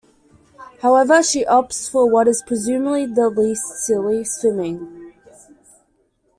However, she opts for what is presumably the least silly; swimming.